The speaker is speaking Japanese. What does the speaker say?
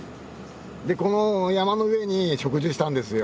この山の上に植樹したんですよ